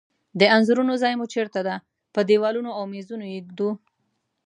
د انځورونو ځای مو چیرته ده؟ په دیوالونو او میزونو یی ایږدو